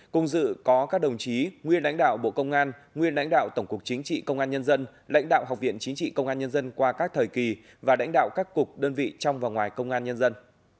cùng dự có các đồng chí nguyên lãnh đạo bộ công an nguyên lãnh đạo tổng cục chính trị công an nhân dân lãnh đạo học viện chính trị công an nhân dân qua các thời kỳ và lãnh đạo các cục đơn vị trong và ngoài công an nhân dân